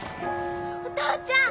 お父ちゃん！